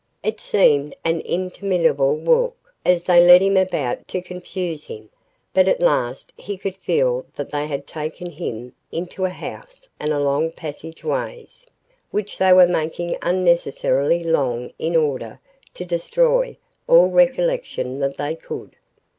It seemed an interminable walk, as they led him about to confuse him, but at last he could feel that they had taken him into a house and along passageways, which they were making unnecessarily long in order to destroy all recollection that they could.